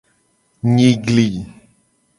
Nyigli.